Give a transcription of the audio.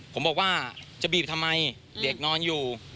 ผมบอกว่าจะบีบทำไมเด็กนอนอยู่